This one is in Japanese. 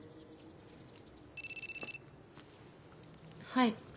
はい。